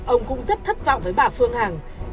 ông cũng rất thất vọng với bà phương hằng